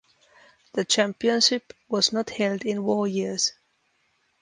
The championship was not held in war years.